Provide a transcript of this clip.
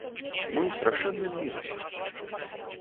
Мы ў страшэнным мінусе!